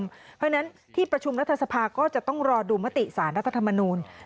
เพราะฉะนั้นที่ประชุมรัฐสภาก็จะต้องรอดูมติสารรัฐธรรมนูล